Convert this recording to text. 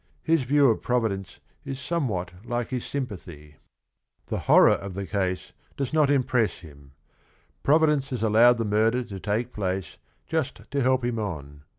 His view of provi dence is somewhat like his sympathy, z The 140 THE RING AND THE BOOK h qrror of the case does not imp ress him. Provi dence has allowed the murder to take place just to help him on.